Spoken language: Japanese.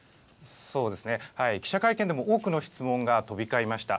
記者会見でも多くの質問が飛び交いました。